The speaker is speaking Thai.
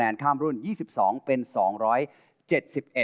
แชมป์กลุ่มนี้คือ